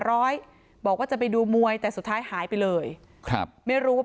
ร้อยบอกว่าจะไปดูมวยแต่สุดท้ายหายไปเลยครับไม่รู้ว่า